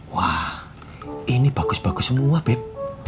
wah ini bagus bagus semua bep